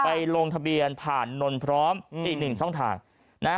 ลงทะเบียนผ่านนนพร้อมอีกหนึ่งช่องทางนะฮะ